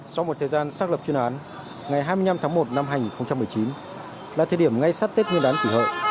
sau một thời gian xác lập chuyên án ngày hai mươi năm tháng một năm hai nghìn một mươi chín là thời điểm ngay sát tết nguyên đán kỷ hợi